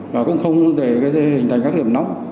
và cũng không để hình thành các điểm nóng